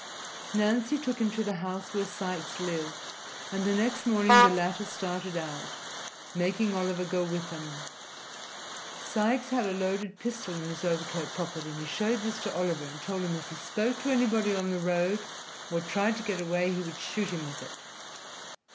Nancy took him to the house where Sikes lived, and the next morning the latter started out, making Oliver go with him. Sikes had a loaded pistol in his overcoat pocket, and he showed this to Oliver and told him if he spoke to anybody on the road or tried to get away he would shoot him with it.